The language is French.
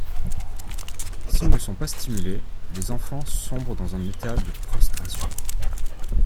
S'ils ne sont pas stimulés, les enfants sombrent dans un état de prostration.